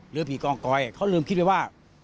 หรือผีกองกอยเขาลืมคิดไว้ว่า